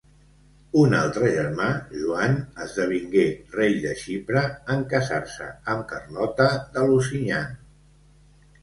Un altre germà, Joan, esdevingué rei de Xipre en casar-se amb Carlota de Lusignan.